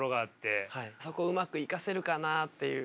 そこをうまく生かせるかなっていう。